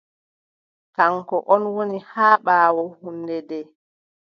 Kaŋko ɗon woni haa ɓaawo hunnde nde.